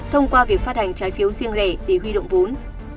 thông qua việc phát hành trái phiếu riêng lẻ để huy động vốn